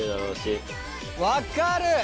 分かる！